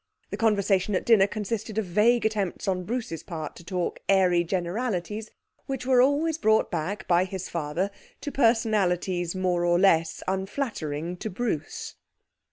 The conversation at dinner consisted of vague attempts on Bruce's part to talk airy generalities, which were always brought back by his father to personalities more or less unflattering to Bruce.